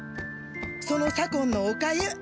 その左近のおかゆ！